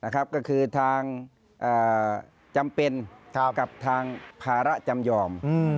ก็คือทางจำเป็นกับทางภาระจำยอม